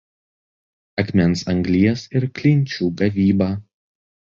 Akmens anglies ir klinčių gavyba.